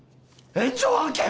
炎上案件！